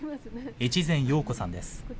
越前洋子さんです。